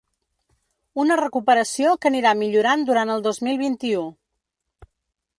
Una recuperació que anirà millorant durant el dos mil vint-i-u.